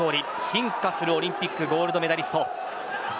進化するオリンピックゴールドメダリスト。